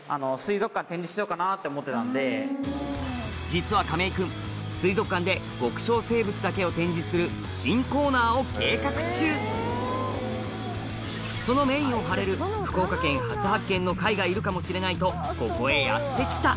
実は亀井くん水族館で極小生物だけを展示する新コーナーを計画中そのメインを張れる福岡県初発見の貝がいるかもしれないとここへやって来た